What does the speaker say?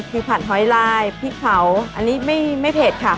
คือผัดหอยลายพริกเผาอันนี้ไม่เผ็ดค่ะ